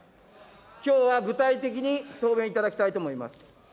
きょうは具体的に答弁いただきたいと思います。